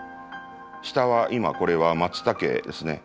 下は今これはマツタケですね。